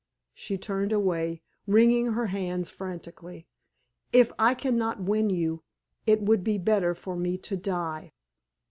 She turned away, wringing her hands frantically. "If I can not win you, it would be better for me to die!"